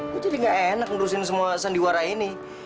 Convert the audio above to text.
gue jadi gak enak ngurusin semua sandiwara ini